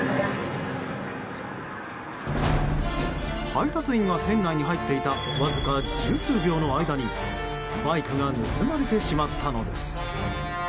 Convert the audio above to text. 配達員が店内に入っていたわずか十数秒の間にバイクが盗まれてしまったのです。